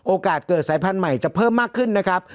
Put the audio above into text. โอกาสเกิดสายพันธุ์ใหม่จะเพิ่มมากขึ้นนะครับ